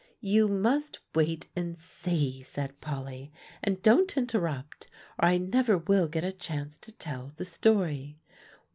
"You must wait and see," said Polly; "and don't interrupt, or I never will get a chance to tell the story.